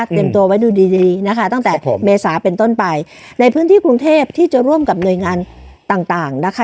ตัวไว้ดูดีดีนะคะตั้งแต่๖เมษาเป็นต้นไปในพื้นที่กรุงเทพที่จะร่วมกับหน่วยงานต่างต่างนะคะ